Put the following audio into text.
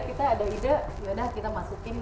kita ada ide yaudah kita masukin